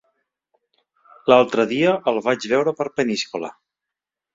L'altre dia el vaig veure per Peníscola.